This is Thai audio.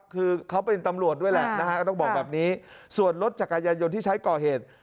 คือเขาเป็นตำรวจด้วยแหละนะฮะก็ต้องบอกแบบนี้ส่วนรถจักรยายนที่ใช้ก่อเหตุ